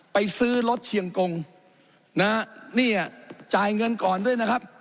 ไปซื้อรถเชียงกงนะฮะเนี่ยจ่ายเงินก่อนด้วยนะครับ